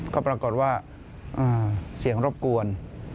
ก็ปรากฏว่าเสียงรบกวน